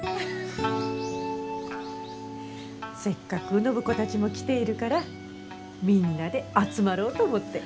せっかく暢子たちも来ているからみんなで集まろうと思って。